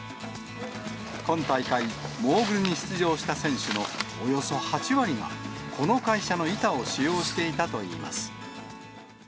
今大会、モーグルに出場した選手のおよそ８割がこの会社の板を使用していたといいます。